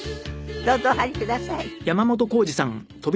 どうぞお入りください。